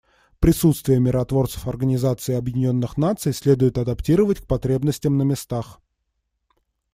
Присутствие миротворцев Организации Объединенных Наций следует адаптировать к потребностям на местах.